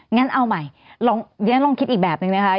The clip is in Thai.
งั้นเอาใหม่ลองคิดอีกแบบนึงนะคะ